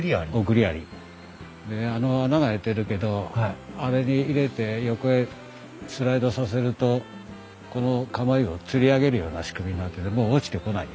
でねあの穴が開いてるけどあれに入れて横へスライドさせるとこのかもいをつり上げるような仕組みになっててもう落ちてこない。